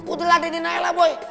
udah ladain di nailah boy